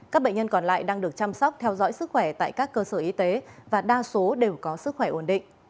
các bệnh nhân còn lại đang được chăm sóc theo dõi sức khỏe tại các cơ sở y tế và đa số đều có sức khỏe ổn định